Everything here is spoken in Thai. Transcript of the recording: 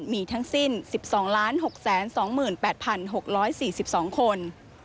มีทั้งสิ้น๑๒๖๒๘๖๔๒คน